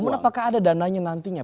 namun apakah ada dananya nantinya